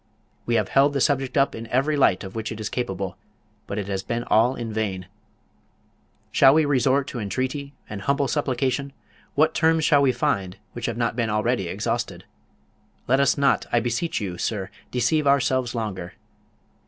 We have held the subject up in every light of which it is capable; but it has been all in vain. Shall we resort to entreaty and humble supplication? What terms shall we find which have not been already exhausted? Let us not, I beseech you, sir, deceive ourselves longer.